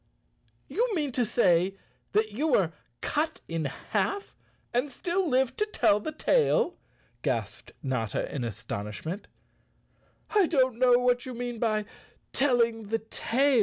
"You mean to say that you were cut in half and still live to tell the tale?" gasped Notta in astonishment. "I don't know what you mean by telling the tail.